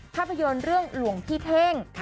ภาพยนตร์เรื่องหลวงพี่เท่ง